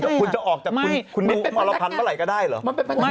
แต่นั้นคุณจะออกเมื่อไหร่ก็ได้สิคุณจะออกจากคุณนิดเมื่อไหร่ก็ได้เหรอมันเป็นพนักงาน